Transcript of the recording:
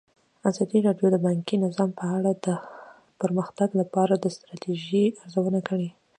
ازادي راډیو د بانکي نظام په اړه د پرمختګ لپاره د ستراتیژۍ ارزونه کړې.